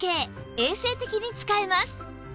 衛生的に使えます